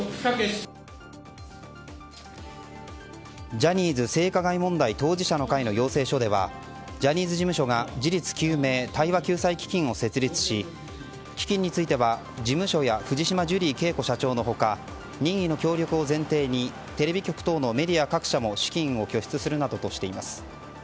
ジャニーズ性加害問題当事者の会の要請書ではジャニーズ事務所が事実究明・対話救済基金を設立し基金については事務所や藤島ジュリー景子社長の他任意の協力を前提にテレビ局等のメディア各社も資金を拠出するなどとしています。